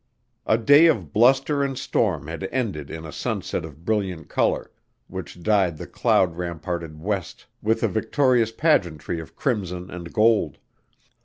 A day of bluster and storm had ended in a sunset of brilliant color, which dyed the cloud ramparted west with a victorious pageantry of crimson and gold.